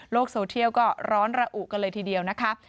โซเทียลก็ร้อนระอุกันเลยทีเดียวนะคะ